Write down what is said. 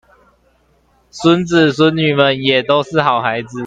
孫子孫女們也都是好孩子